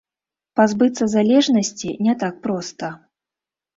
Пазбыцца залежнасці не так проста.